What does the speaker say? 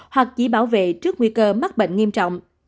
hoặc chỉ bảo vệ trước nguy cơ mắc bệnh nghiêm trọng